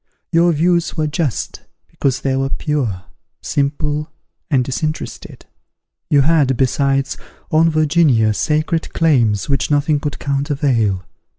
Your views were just, because they were pure, simple, and disinterested. You had, besides, on Virginia, sacred claims which nothing could countervail.